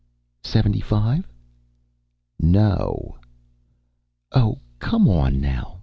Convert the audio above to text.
"Seventy five?" "No!" "Oh, come on now.